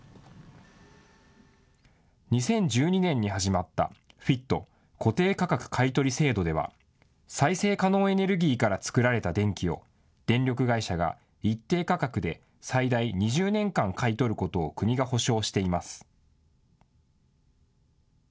２０１２年に始まったＦＩＴ・固定価格買い取り制度では、再生可能エネルギーから作られた電気を、電力会社が一定価格で最大２０年間買い取ることを国が保証しています。